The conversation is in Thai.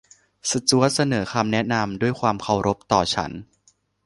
สจ๊วตเสนอคำแนะนำด้วยความเคารพต่อฉัน